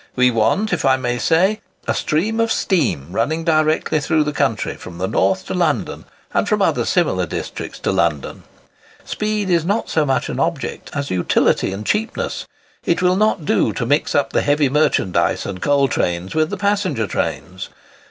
We want, if I may so say, a stream of steam running directly through the country, from the North to London, and from other similar districts to London. Speed is not so much an object as utility and cheapness. It will not do to mix up the heavy merchandise and coal trains with the passenger trains.